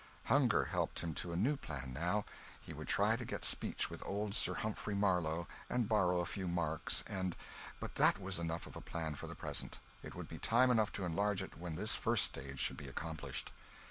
Hunger helped him to a new plan, now; he would try to get speech with old Sir Humphrey Marlow and borrow a few marks, and but that was enough of a plan for the present; it would be time enough to enlarge it when this first stage should be accomplished.